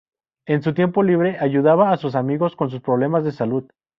En su tiempo libre, ayudaba a sus amigos con sus problemas de salud.